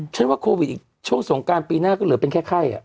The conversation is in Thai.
ว่าโควิดอีกช่วงสงการปีหน้าก็เหลือเป็นแค่ไข้